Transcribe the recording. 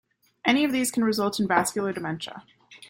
Any of these can result in vascular dementia.